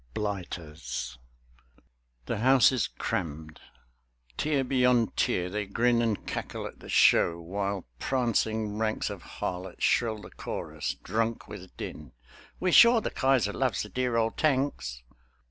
"BLIGHTERS" The House is crammed: tier beyond tier they grin And cackle at the Show, while prancing ranks Of harlots shrill the chorus, drunk with din; "We're sure the Kaiser loves the dear old Tanks!"